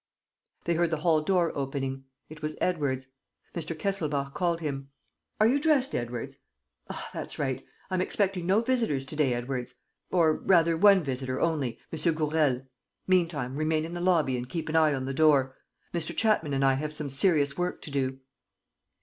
They heard the hall door opening. It was Edwards. Mr. Kesselbach called him: "Are you dressed, Edwards? Ah, that's right! ... I am expecting no visitors to day, Edwards ... or, rather, one visitor only, M. Gourel. Meantime, remain in the lobby and keep an eye on the door. Mr. Chapman and I have some serious work to do."